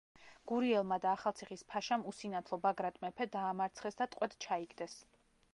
გურიელმა და ახალციხის ფაშამ უსინათლო ბაგრატ მეფე დაამარცხეს და ტყვედ ჩაიგდეს.